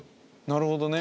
なるほどね。